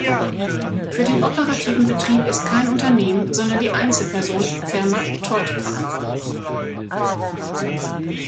Für den operativen Betrieb ist kein Unternehmen, sondern die Einzelperson Thelma Trott verantwortlich.